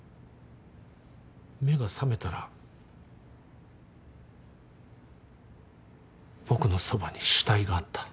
目が覚めたら僕のそばに死体があった。